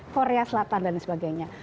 korea selatan dan sebagainya